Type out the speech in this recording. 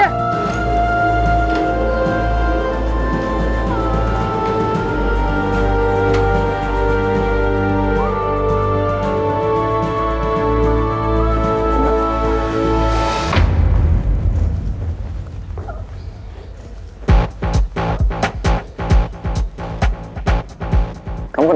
aduh aku mau pulang